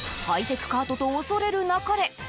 ハイテクカートと恐れるなかれ。